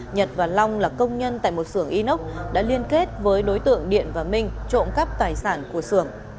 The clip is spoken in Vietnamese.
nhật và long là công nhân tại một xưởng inox đã liên kết với đối tượng điện và minh trộm cắp tài sản của sưởng